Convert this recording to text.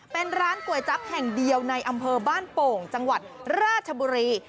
เป็นร้านก๋วยจั๊บแห่งเดียวในอำเภอบ้านโป่งจังหวัดราชบุรี